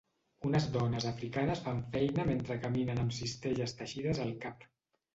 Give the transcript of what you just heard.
Unes dones africanes fan feina mentre caminen amb cistelles teixides al cap